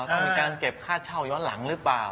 ต้องมีการเก็บค่าเช่าย้อนหลังหรือเปล่า